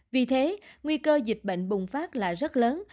vì thế nguy cơ dịch bệnh bùng phát là rất lớn